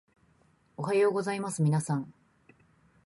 おはようございますみなさん